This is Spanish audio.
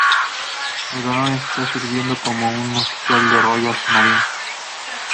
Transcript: El varón está sirviendo como un oficial de los Royal Marines